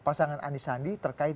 pasangan andi sandi terkait